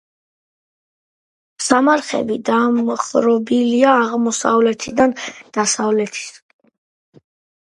სამარხები დამხრობილია აღმოსავლეთიდან დასავლეთისკენ.